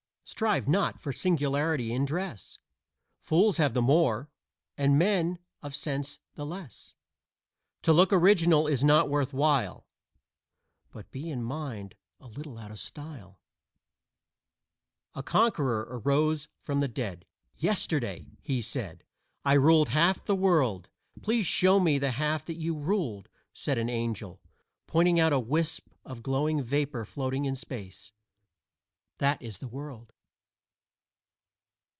Strive not for singularity in dress; Fools have the more and men of sense the less. To look original is not worth while, But be in mind a little out of style. A conqueror arose from the dead. "Yesterday," he said, "I ruled half the world." "Please show me the half that you ruled," said an angel, pointing out a wisp of glowing vapor floating in space. "That is the world."